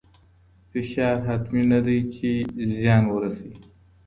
فشار حتمي نه دی چې زیان ورسوي.